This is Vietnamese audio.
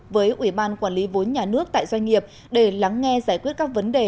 với ủy ban quản lý vốn nhà nước tại doanh nghiệp để lắng nghe giải quyết các vấn đề